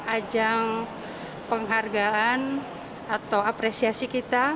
ajang penghargaan atau apresiasi kita